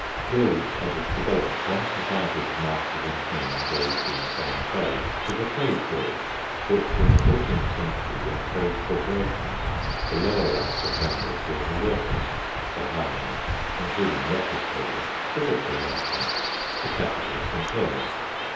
Guilds had developed from societies of masters and men engaged in the same trade, to the trade guilds, which in the fourteenth century were trade corporations, the lower ranks of members being the workers, the higher ranks, including the office holders, the richer merchants, the capitalist employers.